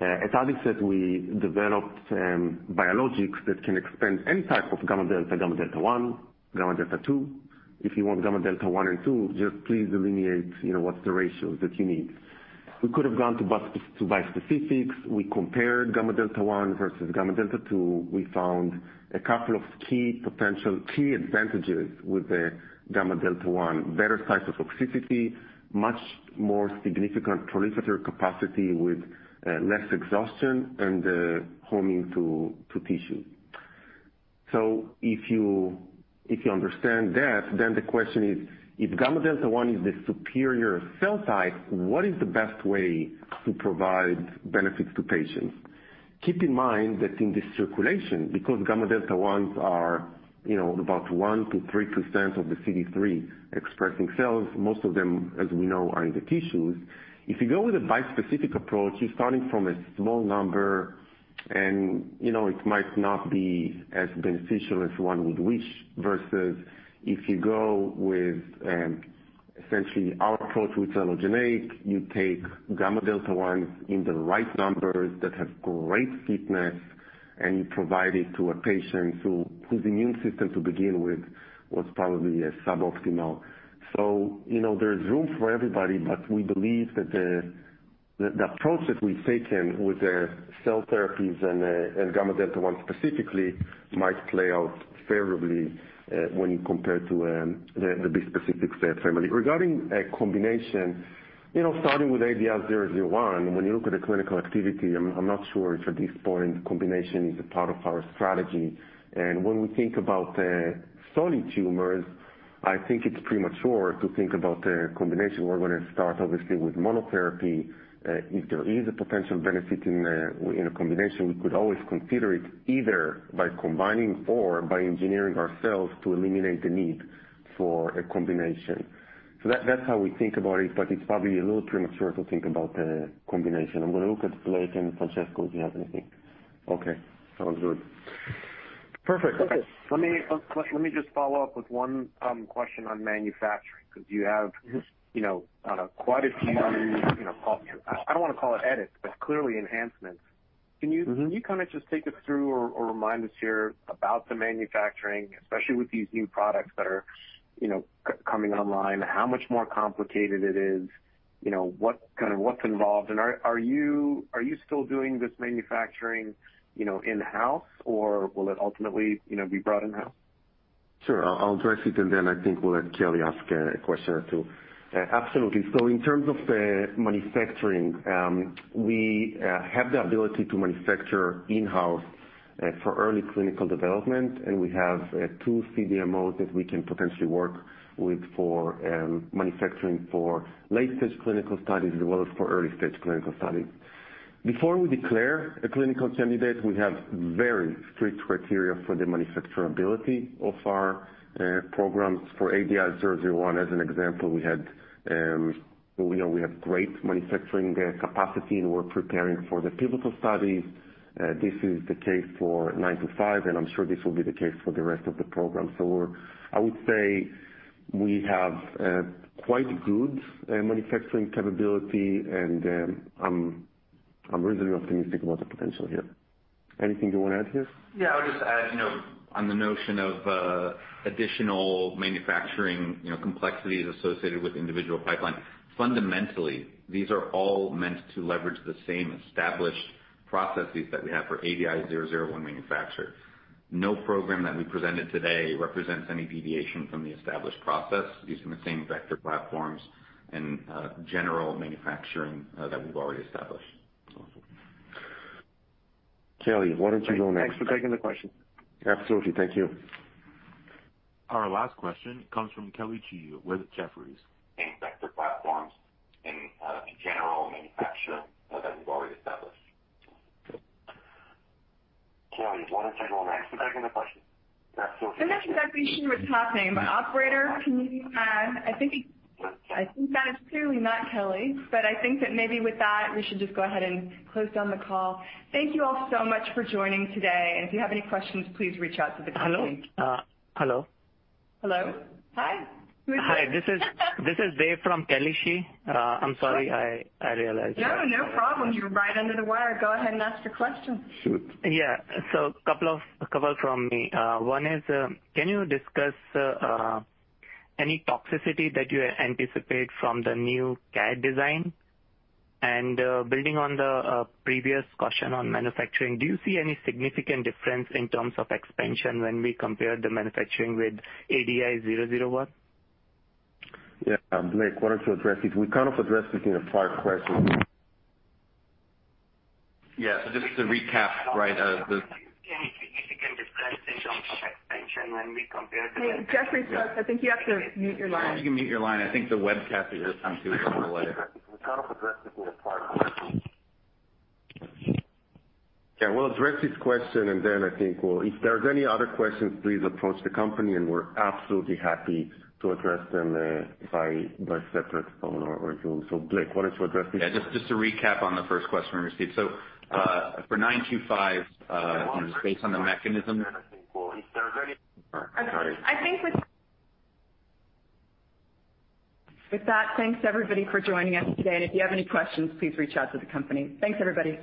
At Adicet we developed biologics that can expand any type of gamma delta, gamma delta one, gamma delta two. If you want gamma delta one and two, just please delineate, you know, what's the ratios that you need. We could have gone to bispecifics. We compared gamma delta one versus gamma delta two. We found a couple of key advantages with the gamma delta one. Better cytotoxicity, much more significant proliferative capacity with less exhaustion and homing to tissue. If you understand that, then the question is, if gamma delta one is the superior cell type, what is the best way to provide benefits to patients? Keep in mind that in the circulation, because gamma delta ones are, you know, about 1%-3% of the CD3 expressing cells, most of them, as we know, are in the tissues. If you go with a bispecific approach, you're starting from a small number and, you know, it might not be as beneficial as one would wish, versus if you go with, essentially our approach with allogeneic, you take gamma delta ones in the right numbers that have great fitness, and you provide it to a patient who, whose immune system to begin with was probably suboptimal. So, you know, there's room for everybody, but we believe that the approach that we've taken with the cell therapies and the and gamma delta ones specifically might play out favorably, when you compare to the bispecific family. Regarding a combination, you know, starting with ADI-001, when you look at the clinical activity, I'm not sure if at this point combination is a part of our strategy. When we think about the solid tumors, I think it's premature to think about the combination. We're gonna start obviously with monotherapy. If there is a potential benefit in, you know, combination, we could always consider it either by combining or by engineering ourselves to eliminate the need for a combination. That's how we think about it, but it's probably a little premature to think about the combination. I'm gonna look at Blake and Francesco, if you have anything. Okay, sounds good. Perfect. Let me just follow up with one question on manufacturing, because you have. Mm-hmm. You know, quite a few, you know, I don't wanna call it edits, but clearly enhancements. Can you- Mm-hmm. Can you kind of just take us through or remind us here about the manufacturing, especially with these new products that are, you know, coming online, how much more complicated it is? You know, what kind of what's involved? Are you still doing this manufacturing, you know, in-house or will it ultimately, you know, be brought in-house? Sure. I'll address it, and then I think we'll let Kelly ask a question or two. Absolutely. In terms of the manufacturing, we have the ability to manufacture in-house for early clinical development, and we have two CDMOs that we can potentially work with for manufacturing for late stage clinical studies as well as for early stage clinical studies. Before we declare a clinical candidate, we have very strict criteria for the manufacturability of our programs. For ADI-001, as an example, you know, we have great manufacturing capacity, and we're preparing for the pivotal studies. This is the case for ADI-925, and I'm sure this will be the case for the rest of the program. I would say we have quite good manufacturing capability, and I'm reasonably optimistic about the potential here. Anything you wanna add here? Yeah. I'll just add, you know, on the notion of additional manufacturing, you know, complexities associated with individual pipeline. Fundamentally, these are all meant to leverage the same established processes that we have for ADI-001 manufacture. No program that we presented today represents any deviation from the established process using the same vector platforms and general manufacturing that we've already established. Kelly, why don't you go next? Thanks for taking the question. Absolutely. Thank you. Our last question comes from Kelly Shi with Jefferies. Same vector platforms and general manufacturing that we've already established. Kelly, why don't you go next? Thanks for taking the question. Absolutely. I'm not sure that we hear what's happening, but operator, can you? I think that is clearly not Kelly, but I think that maybe with that, we should just go ahead and close down the call. Thank you all so much for joining today. If you have any questions, please reach out to the company. Hello? Hello. Hello. Hi. Who's this? Hi. This is Dave from Kelly Shi. I'm sorry. I realized that. No, no problem. You're right under the wire. Go ahead and ask your question. Shoot. A couple from me. One is, can you discuss any toxicity that you anticipate from the new CAd design? Building on the previous question on manufacturing, do you see any significant difference in terms of expansion when we compare the manufacturing with ADI-001? Yeah. Blake, why don't you address it? We kind of addressed it in a prior question. Yeah. Just to recap, right? Do you see any significant difference in terms of expansion when we compare the? Hey, Jeffrey, sorry. I think you have to mute your line. If you can mute your line. I think the webcast is just coming through a little later. We kind of addressed it in a prior question. Yeah. We'll address his question, and then I think we'll. If there's any other questions, please approach the company, and we're absolutely happy to address them by separate phone or Zoom. Blake, why don't you address this one? Just to recap on the first question we received. For ADI-925, based on the mechanism. If there's any- I think with that, thanks everybody for joining us today. If you have any questions, please reach out to the company. Thanks, everybody.